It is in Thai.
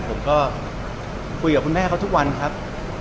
ผมก็คุยกับคุณแม่เขาทุกวันครับ